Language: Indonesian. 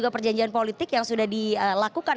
perjanjian politik yang sudah dilakukan